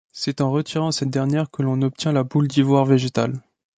C'est en retirant cette dernière que l'on obtient la boule d'ivoire végétal.